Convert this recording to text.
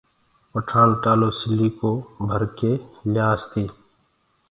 پٺآڻ ٽآلو سلِيٚ ڪو ڀر ڪي ليآس تي